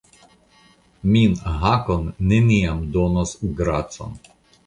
Min Hakon neniam donos gracon.